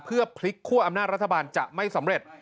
เพื่อพลิกคั่วอำนาจรัฐบาลจะไม่สำเร็จ